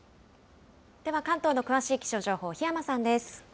では関東の詳しい気象情報、檜山さんです。